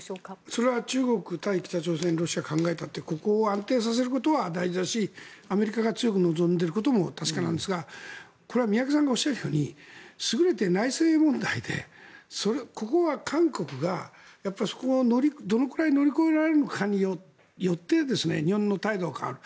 それは中国、対北朝鮮ロシアを考えたってここを安定させることは大事だしアメリカが強く望んでいることも確かなんですが宮家さんがおっしゃるように優れて内政問題でここは韓国が、そこをどのくらい乗り越えられるかによって日本の態度が変わる。